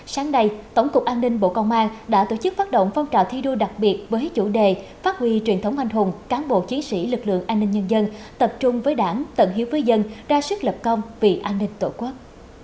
sáng nay tổng cục an ninh bộ công an đã tổ chức phát động phong trào thi đua đặc biệt với chủ đề phát huy truyền thống anh hùng cán bộ chiến sĩ lực lượng an ninh nhân dân tập trung với đảng tận hiếu với dân ra sức lập công vì an ninh tổ quốc